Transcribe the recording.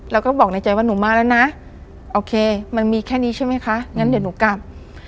เราก็บอกในใจว่าหนูมาแล้วนะโอเคมันมีแค่นี้ใช่ไหมคะงั้นเดี๋ยวหนูกลับ